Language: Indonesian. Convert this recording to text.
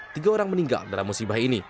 tiga orang meninggal dalam musibah ini